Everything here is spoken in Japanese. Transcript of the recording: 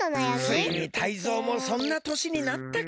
ついにタイゾウもそんなとしになったか！